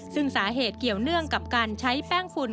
ซึ่งสาเหตุเกี่ยวเนื่องกับการใช้แป้งฝุ่น